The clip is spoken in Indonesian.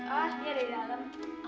oh dia ada di dalam